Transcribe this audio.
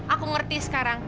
aku ngerti sekarang